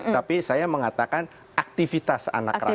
tapi saya mengatakan aktivitas anak rakyat